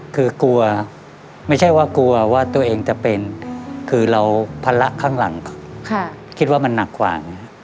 คือกลัวไม่ใช่ว่ากลัวว่าตัวเองจะเป็นคือเราภาระข้างหลังคิดว่ามันหนักกว่าไงฮะ